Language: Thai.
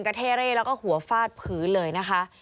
กระเท่เร่แล้วก็หัวฟาดพื้นเลยนะคะ